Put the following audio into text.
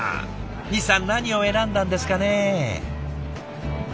西さん何を選んだんですかね？